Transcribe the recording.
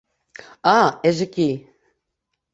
Ah, és aquí.